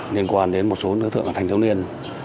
liên quan đến một số đối tượng thành châu niên